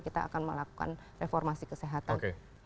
kita akan melakukan reformasi kesehatan